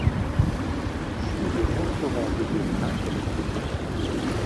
Jules Mousseron de Denain est le plus connu.